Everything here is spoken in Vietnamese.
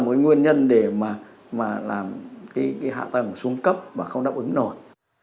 một nguyên nhân để mà làm cái hạ tầng xuống cấp mà không đáp ứng nổi